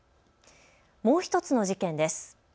もう１つの事件です。